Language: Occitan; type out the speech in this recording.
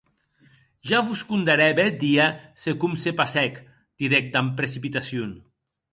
Ja vos condarè bèth dia se com se passèc, didec damb precipitacion.